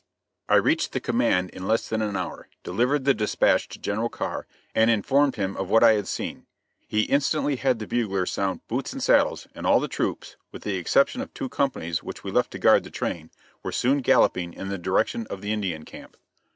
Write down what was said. I reached the command in less than an hour, delivered the dispatch to General Carr, and informed him of what I had seen. He instantly had the bugler sound "boots and saddles," and all the troops with the exception of two companies, which we left to guard the train were soon galloping in the direction of the Indian camp.